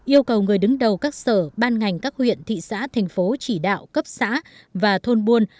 yêu cầu người đứng đầu các sở ban ngành các huyện thị xã thành phố chỉ đạo cấp xã và thôn buôn